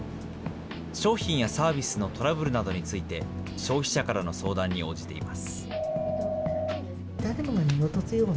商品やサービスのトラブルなどについて、消費者からの相談に応じています。